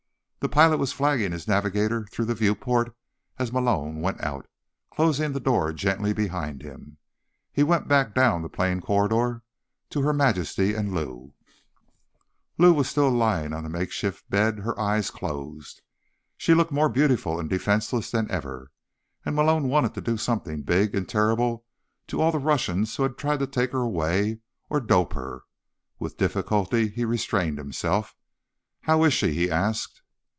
The pilot was flagging his navigator through the viewport as Malone went out, closing the door gently behind him. He went back down the plane corridor to Her Majesty and Lou. Lou was still lying on the makeshift bed, her eyes closed. She looked more beautiful and defenseless than ever, and Malone wanted to do something big and terrible to all the Russians who had tried to take her away or dope her. With difficulty, he restrained himself. "How is she?" he asked.